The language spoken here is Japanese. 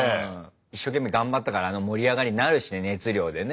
一生懸命頑張ったからあの盛り上がりになるし熱量でね。